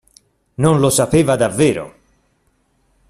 Non lo sapeva davvero!